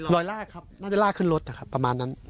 ลากครับน่าจะลากขึ้นรถนะครับประมาณนั้น